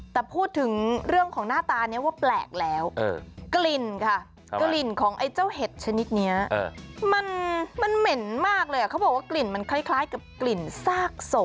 แต่พูดถึงเรื่องของหน้าตานี้ว่าแปลกแล้วกลิ่นค่ะกลิ่นของไอ้เจ้าเห็ดชนิดนี้มันเหม็นมากเลยเขาบอกว่ากลิ่นมันคล้ายกับกลิ่นซากศพ